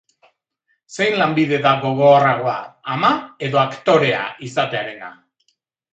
Zein lanbide da gogorragoa, ama edo aktorea izatearena?